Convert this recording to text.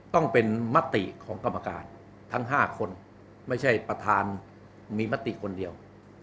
ต้องเป็นมติของกรรมการทั้ง๕คนไม่ใช่ประธานมีมติคนเดียว